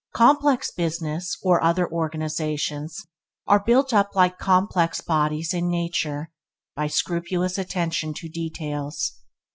Complex business or other organizations are built up like complex bodies in nature, by scrupulous attention to details.